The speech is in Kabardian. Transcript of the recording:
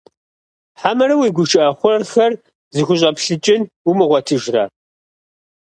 Хьэмэрэ уи гушыӀэ хъуэрхэр зыхущӀэплъыкӀын умыгъуэтыжрэ?